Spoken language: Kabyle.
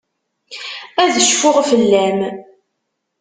Ad cfuɣ fell-am.